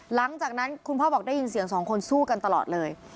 หลังจากนั้นคุณพ่อบอกได้ยินเสียงสองคนสู้กันตลอดเลย